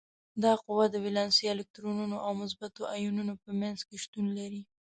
دا قوه د ولانسي الکترونونو او مثبتو ایونونو په منځ کې شتون لري.